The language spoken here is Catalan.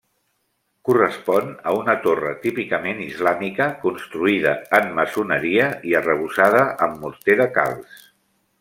Correspon a una torre típicament islàmica, construïda en maçoneria i arrebossada amb morter de calç.